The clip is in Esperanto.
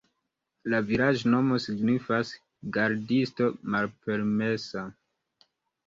La vilaĝnomo signifas: gardisto-malpermesa.